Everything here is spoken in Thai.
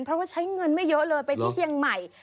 เพราะว่าใช้เงินไม่เยอะเลยไปที่เชียงใหม่